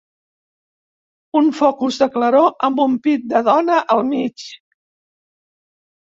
Un focus de claror amb un pit de dona al mig.